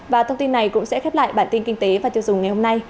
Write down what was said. và thông tin này cũng sẽ khép lại bản tin kinh tế và tiêu dùng ngày hôm nay